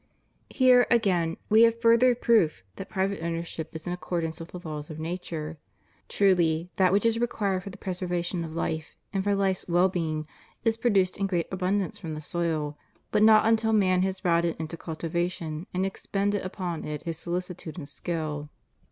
Here, again, we have further proof that private owner ship is in accordance with the law of nature. Truly, that which is required for the preservation of fife, and for fife's well being, is produced in great abundance from the soil, but not until man has brought it into cultivation and expended upon it his soficitude and skill.